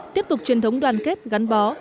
tiếp tục truyền thống đoàn kết gắn bó